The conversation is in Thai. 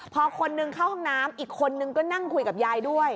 พอคนนึงเข้าห้องน้ำอีกคนนึงก็นั่งคุยกับยายด้วย